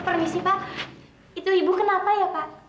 permisi pak itu ibu kenapa ya pak